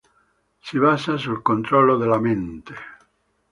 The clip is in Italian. Si basa sul controllo della mente.